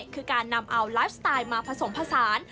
คือการนำเอาไลฟ์สไตล์มาผสมผสาน